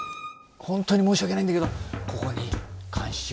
本当に申し訳ないんだけどここに監視用。